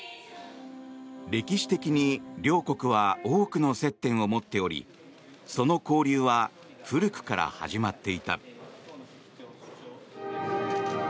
歴史的に両国は多くの接点を持っておりその交流は古くから始まっていた。